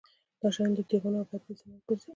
دا شیان د ټېغونو او بد بوی سبب ګرځي.